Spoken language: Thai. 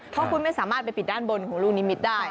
เพราะคุณไม่สามารถไปปิดด้านบนของลูกนิมิตได้